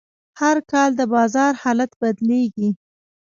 هر کال د بازار حالت بدلېږي.